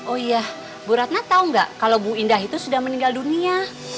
oh iya bu ratna tahu nggak kalau bu indah itu sudah meninggal dunia